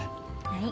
はい。